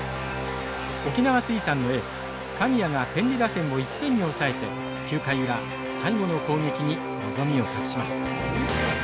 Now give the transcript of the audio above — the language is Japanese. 沖縄水産のエース神谷が天理打線を１点に抑えて９回裏最後の攻撃に望みを託します。